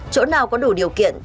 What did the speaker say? chỗ nào có đủ điều kiện